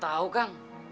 tak tahu kang